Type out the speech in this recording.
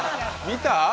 見た？